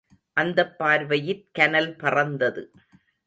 அந்தப் பார்வையிற் கனல் பறந்தது.